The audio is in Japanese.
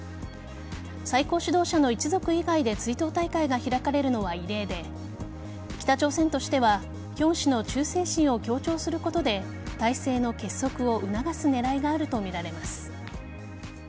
最高指導者の一族以外で追悼大会が開かれるのは異例で北朝鮮としてはヒョン氏の忠誠心を強調することで体制の結束を促す狙いがあるとみられます。